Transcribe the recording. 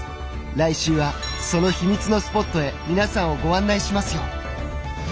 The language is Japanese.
来週はその秘密のスポットへ皆さんをご案内しますよ！